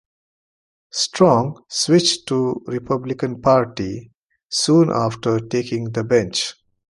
Strong switched to the Republican Party soon after taking the bench.